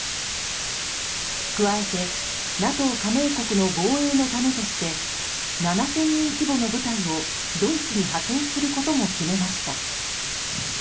加えてＮＡＴＯ加盟国の防衛のためとして７０００人規模の部隊をドイツに派遣することも決めました。